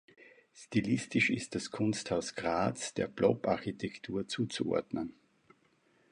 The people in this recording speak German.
Stilistisch ist das Kunsthaus Graz der Blob-Architektur zuzuordnen.